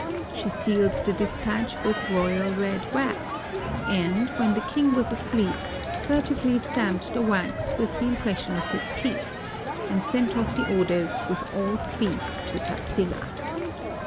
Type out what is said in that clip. She sealed the dispatch with royal red wax, and, when the king was asleep, furtively stamped the wax with the impression of his teeth, and sent off the orders with all speed to Taxila.